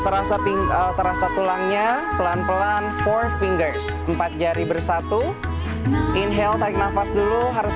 terasa pinggul terasa tulangnya pelan pelan for fingers empat jari bersatu inhale nafas dulu harus